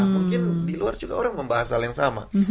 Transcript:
mungkin di luar juga orang membahas hal yang sama